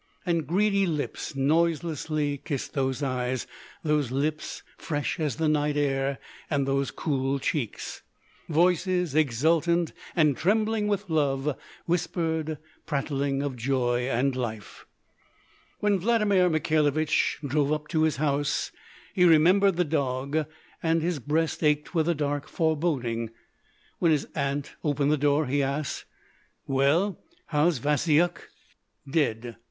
And greedy lips noiselessly kissed those eyes, those lips fresh as the night air, and those cool cheeks. Voices exultant, and trembling with love, whispered, prattling of joy and life. When Vladimir Mikhailovich drove up to his house, he remembered the dog, and his breast ached with a dark foreboding. When his Aunt opened the door, he asked: "Well, how's Vasyuk?" "Dead.